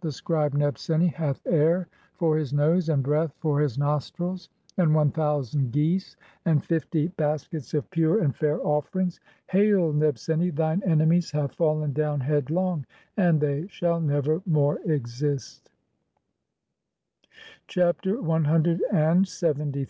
The scribe Nebseni hath air for his nose and breath "for his nostrils, and one thousand geese, and fifty baskets of "pure and fair offerings. Hail, Nebseni, thine enemies have "fallen down headlong and they shall nevermore exist." Chapter CLXXIII. [From the Papyrus of Nebseni (Brit. Mus.